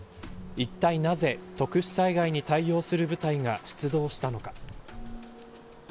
いったいなぜ特殊災害に対応する部隊が出動したのか。